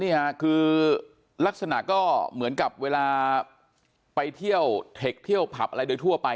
นี่ค่ะคือลักษณะก็เหมือนกับเวลาไปเที่ยวเทคเที่ยวผับอะไรโดยทั่วไป